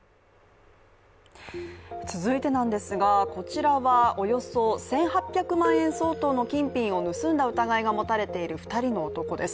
続いてなんですが、こちらはおよそ１８００万円相当の金品を盗んだ疑いが持たれている２人の男です。